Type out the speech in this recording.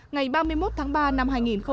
ngày ba mươi một tháng ba năm hai nghìn một mươi bảy